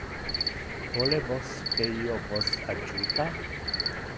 Vole vos que io vos adjuta?